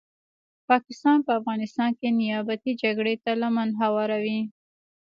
پاکستان په افغانستان کې نیابتې جګړي ته لمن هواروي